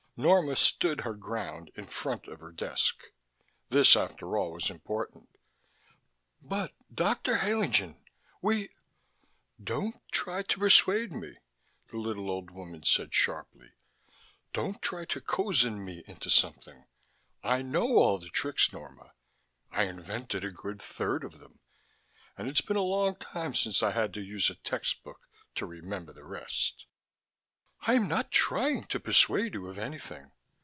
Norma stood her ground in front of the desk. This, after all, was important "But, Dr. Haenlingen, we " "Don't try to persuade me," the little old woman said sharply. "Don't try to cozen me into something: I know all the tricks, Norma. I invented a good third of them, and it's been a long time since I had to use a textbook to remember the rest." "I'm not trying to persuade you of anything."